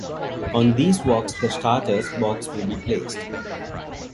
On these walks the starter's box will be placed.